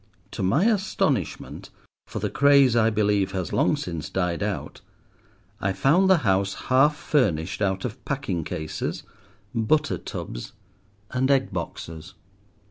To my astonishment—for the craze, I believe, has long since died out—I found the house half furnished out of packing cases, butter tubs, and egg boxes.